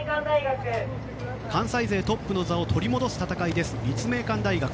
関西勢トップの座を取り戻す戦いです、立命館大学。